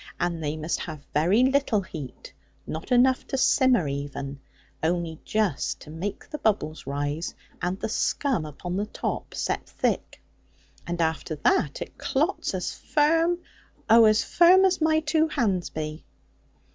And they must have very little heat, not enough to simmer even; only just to make the bubbles rise, and the scum upon the top set thick; and after that, it clots as firm oh, as firm as my two hands be.'